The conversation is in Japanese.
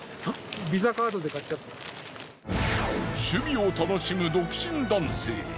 趣味を楽しむ独身男性